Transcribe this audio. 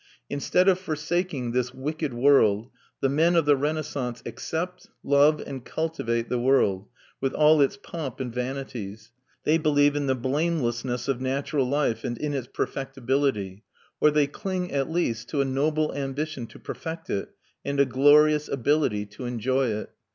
Instead of forsaking this wicked world, the men of the Renaissance accept, love, and cultivate the world, with all its pomp and vanities; they believe in the blamelessness of natural life and in its perfectibility; or they cling at least to a noble ambition to perfect it and a glorious ability to enjoy it.